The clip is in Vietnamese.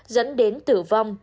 dẫn đến tử vong